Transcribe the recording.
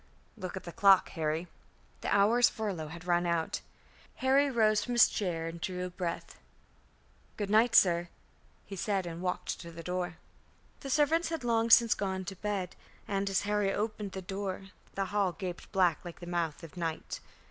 "Look at the clock, Harry." The hour's furlough had run out. Harry rose from his chair, and drew a breath. "Good night, sir," he said, and walked to the door. The servants had long since gone to bed; and, as Harry opened the door, the hall gaped black like the mouth of night.